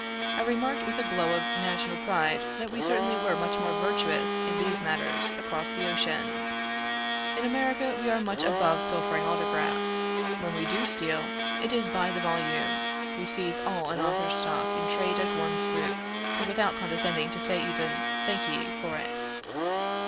I remarked with a glow of national pride, that we certainly were much more virtuous in these matters across the ocean; in America we are much above pilfering autographs; when we do steal, it is by the volume we seize all an author's stock in trade at one swoop, and without condescending to say even, thank ye, for it.